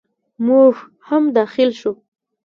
موږ هم داخل شوو.